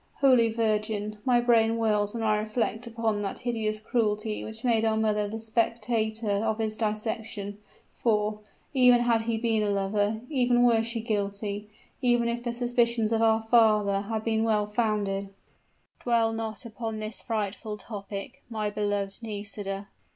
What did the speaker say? Holy Virgin! my brain whirls when I reflect upon that hideous cruelty which made our mother the spectator of his dissection; for, even had he been a lover even were she guilty even if the suspicions of our father had all been well founded " "Dwell not upon this frightful topic, my beloved Nisida!"